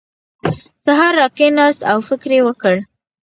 سهار راکېناست او فکر یې وکړ.